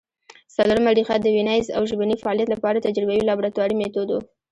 څلورمه ریښه د ویناييز او ژبني فعالیت له پاره تجربوي لابراتواري مېتود وو